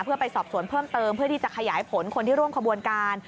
เพื่อไปสอบสวนเพิ่มเติมเพื่อที่จะขยายผลคนที่ร่วมขบวนการ